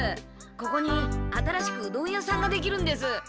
ここに新しくうどん屋さんができるんです。